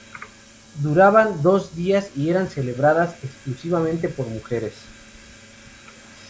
Duraban dos días y eran celebradas exclusivamente por mujeres.